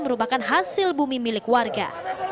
merupakan hasil bumi milik warga